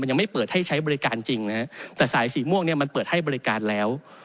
ยังไม่เปิดให้ใช้บริการจริงนะฮะแต่สายสีม่วงเนี่ยมันเปิดให้บริการแล้ว